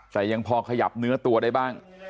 แต่ยังพอขยับเนื้อตัวได้บ้าง